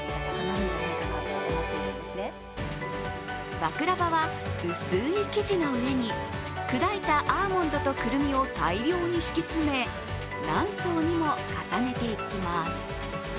バクラヴァは、薄い生地の上に砕いたアーモンドとくるみを大量に敷き詰め、何層にも重ねていきます。